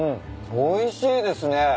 おいしいですね。